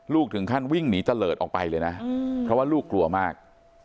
ถึงขั้นวิ่งหนีเตลิศออกไปเลยนะเพราะว่าลูกกลัวมาก